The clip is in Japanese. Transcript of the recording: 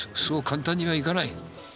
そう簡単にはいかない。